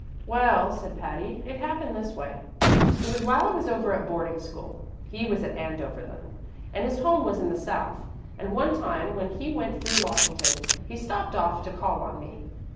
"Well," said Patty, "it happened this way: It was while I was at boarding school. He was at Andover then, and his home was in the South; and one time when he went through Washington he stopped off to call on me.